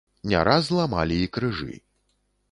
Не раз ламалі і крыжы.